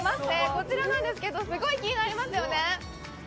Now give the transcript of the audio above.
こちらなんですけどすごい気になりますよね。